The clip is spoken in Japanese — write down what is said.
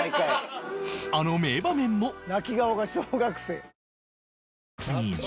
あの名場面も